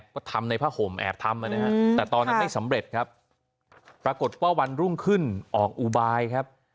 ก็ทำในผ้าห่มแอบทำนะฮะแต่ตอนนั้นไม่สำเร็จครับปรากฏว่าวันรุ่งขึ้นออกอุบายครับ